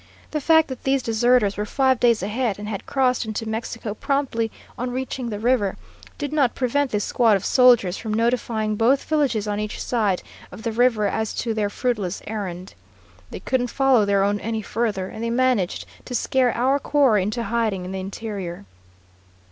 The fact that these deserters were five days ahead and had crossed into Mexico promptly on reaching the river, did not prevent this squad of soldiers from notifying both villages on each side of the river as to their fruitless errand. They couldn't follow their own any farther, and they managed to scare our quarry into hiding in the interior.